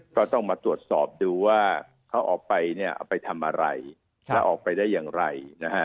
ก็ต้องมาตรวจสอบดูว่าเขาออกไปทำอะไรและออกไปได้อย่างไร